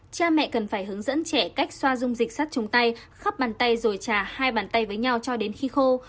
cha mẹ cần phải hướng dẫn trẻ cách xoa dung dịch sát chung tay khắp bàn tay rồi trà hai bàn tay với nhau cho đến khi khô